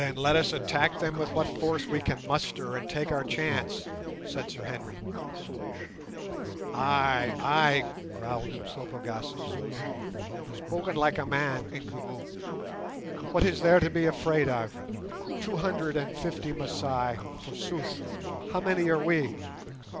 "Then let us attack them with what force we can muster, and take our chance," said Sir Henry. "Ay, ay," growled Umslopogaas, in Zulu; "spoken like a man, Incubu. What is there to be afraid of? Two hundred and fifty Masai, forsooth! How many are we?